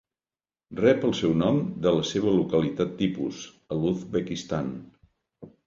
Rep el seu nom de la seva localitat tipus, a l'Uzbekistan.